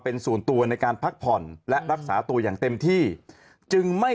เป็นส่วนตัวในการพักผ่อนและรักษาตัวอย่างเต็มที่จึงไม่